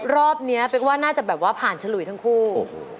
รอบนี้เป๊กว่าน่าจะแบบว่าผ่านฉลุยทั้งคู่